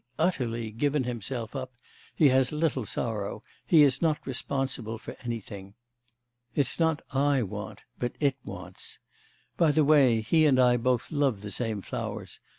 utterly... given himself up, he has little sorrow, he is not responsible for anything. It's not I want, but it wants. By the way, he and I both love the same flowers.